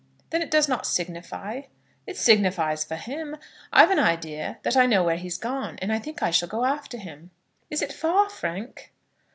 "Then it does not signify?" "It signifies for him. I've an idea that I know where he's gone, and I think I shall go after him." "Is it far, Frank?"